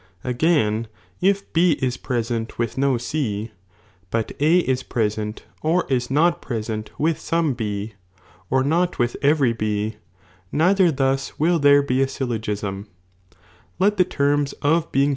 "" Again, if B is present with no C, but A is present or is not present with some B, or not with every B ; neither thus will there be a eyWa^sm ; let the terma of 1 EiMn ii!